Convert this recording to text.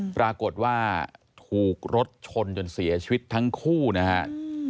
ปรากฏว่าถูกรถชนจนเสียชีวิตทั้งคู่นะครับ